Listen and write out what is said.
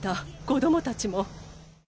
子どもたちも。